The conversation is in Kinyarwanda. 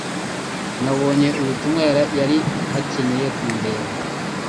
Nabonye ubutumwa yari akeneye kundeba.